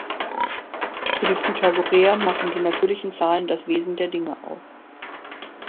Für die Pythagoreer machen die natürlichen Zahlen das Wesen der Dinge aus.